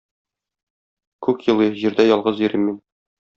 Күк елый, Җирдә ялгыз йөрим мин.